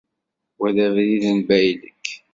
Wa d abrid n baylek